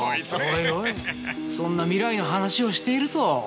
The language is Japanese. おいおいそんな未来の話をしていると。